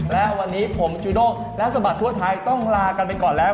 และวันนี้ผมจูด้งและสะบัดทั่วไทยต้องลากันไปก่อนแล้ว